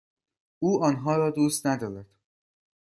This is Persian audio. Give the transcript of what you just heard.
او آنها را دوست ندارد.